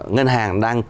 ngân hàng đang